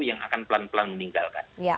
yang akan pelan pelan meninggalkan